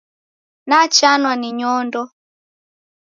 Nachanwa ni nyondo.